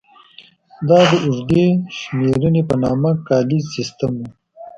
دا د اوږدې شمېرنې په نامه کالیز سیستم و.